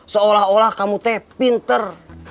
seolah olah kamu teh pinter